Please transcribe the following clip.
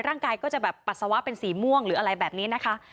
ร่างกายก็จะแบบปัสสาวะเป็นสีม่วงหรืออะไรแบบนี้นะคะ